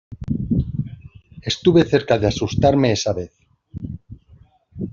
Estuve cerca de asustarme esa vez.